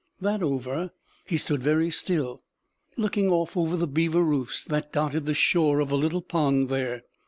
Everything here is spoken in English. That over, he stood very still, looking off over the beaver roofs that dotted the shore of a little pond there.